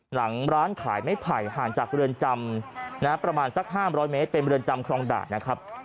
หลังร้านขายไม้ไผ่ห่างจากเรือนจำประมาณสัก๕๐๐เมตรเป็นเรือนจำคลองด่านนะครับ